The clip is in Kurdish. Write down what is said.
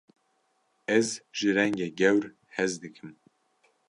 Ez ji rengê gewr hez dikim.